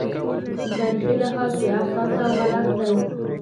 په تاریخي لحاظ بې اساسه او غلط دی.